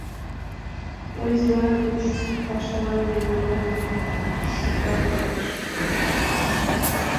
— Поэзийлан, уш пашалан яндарлык шукырак кӱлеш.